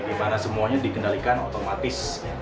dimana semuanya dikendalikan otomatis